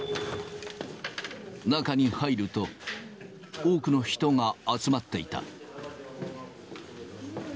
中に入ると、多くの人が集まっていた。